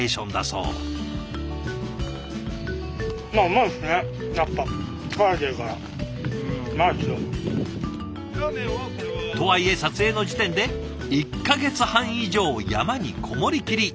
ウマいっすよ。とはいえ撮影の時点で１か月半以上山に籠もりきり。